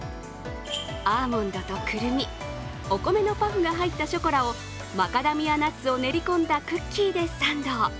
アーモンドとくるみお米のパフが入ったショコラをマカダミアナッツを練り込んだクッキーでサンド。